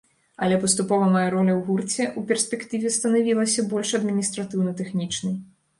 Але паступова мая роля ў гурце ў перспектыве станавілася больш адміністратыўна-тэхнічнай.